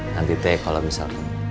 nanti teh kalau bisa